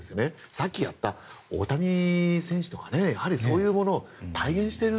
さっきやった大谷選手とかそういうものを体現している。